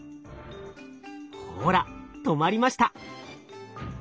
ほら止まりました。